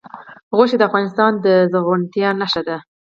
غوښې د افغانستان د زرغونتیا نښه ده.